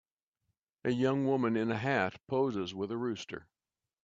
A young woman in a hat poses with a rooster.